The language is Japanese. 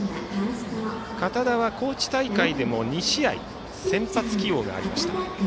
堅田は高知大会でも２試合先発起用がありました。